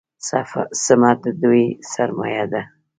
سمت د دوی سرمایه ده.